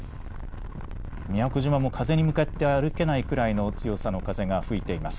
宮古島も風に向かって歩けないくらいの強さの風が吹いています。